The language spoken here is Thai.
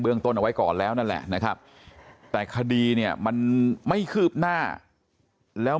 เบื้องต้นเอาไว้ก่อนแล้วนะครับแต่คดีเนี่ยมันไม่คืบหน้าแล้ว